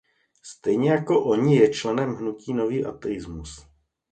Stejně jako oni je členem hnutí nový ateismus.